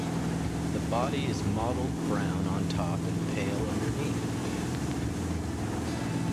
The body is mottled brown on top and pale underneath.